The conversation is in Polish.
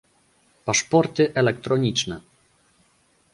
Paszporty elektroniczne